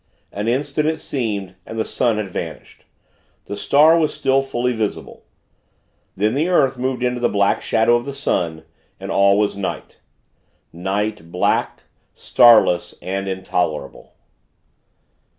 An instant, it seemed, and the sun had vanished. The Star was still fully visible. Then the earth moved into the black shadow of the sun, and all was night Night, black, starless, and intolerable.